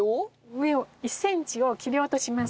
上を１センチを切り落とします。